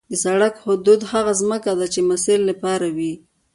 د سړک حدود هغه ځمکه ده چې د مسیر لپاره وي